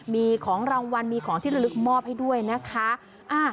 มีของรางวัลมีของที่ระลึกมอบให้ด้วยนะคะ